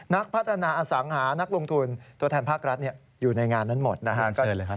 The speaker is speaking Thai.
นักพัฒนาอสังหานักลงทุนตัวแทนภาครัฐอยู่ในงานนั้นหมดนะครับ